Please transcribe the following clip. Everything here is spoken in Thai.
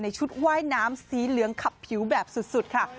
ชุดว่ายน้ำสีเหลืองขับผิวแบบสุดค่ะ